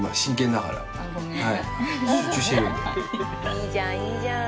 いいじゃんいいじゃん。